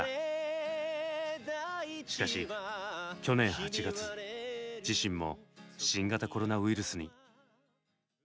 しかし去年８月自身も新型コロナウイルスに。